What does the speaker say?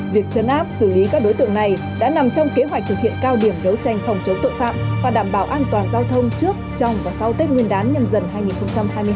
việc chấn áp xử lý các đối tượng này đã nằm trong kế hoạch thực hiện cao điểm đấu tranh phòng chống tội phạm và đảm bảo an toàn giao thông trước trong và sau tết nguyên đán nhâm dần hai nghìn hai mươi hai